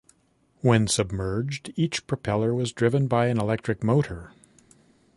When submerged each propeller was driven by a electric motor.